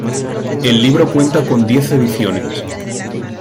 El libro cuenta con diez ediciones.